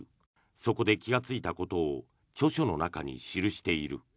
そこで気がついたことを著書の中に記している。